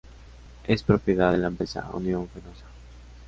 Es propiedad de la empresa Unión Fenosa.